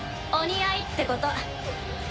お似合いってこと。